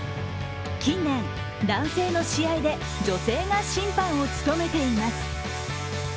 近年、男性の試合で女性が審判を務めています。